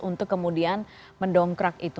untuk kemudian mendongkrak itu